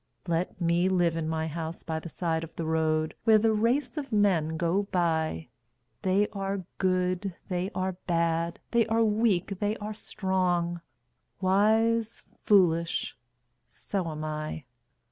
Let me live in my house by the side of the road, Where the race of men go by They are good, they are bad, they are weak, they are strong, Wise, foolish so am I.